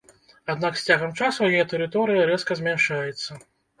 Аднак з цягам часу яе тэрыторыя рэзка змяншаецца.